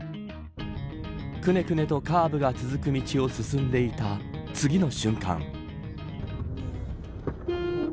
くねくねとカーブが続く道を進んでいた次の瞬間。